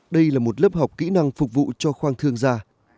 đây là một lớp học kỹ năng phục vụ cho khoang thương da